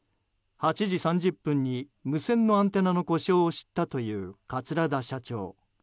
８時３０分に無線のアンテナの故障を知ったという桂田社長。